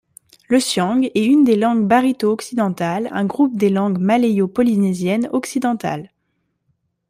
Le siang est une des langues barito occidentales, un groupe des langues malayo-polynésiennes occidentales.